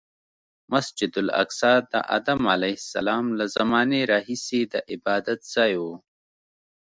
مسجد الاقصی د ادم علیه السلام له زمانې راهیسې د عبادتځای و.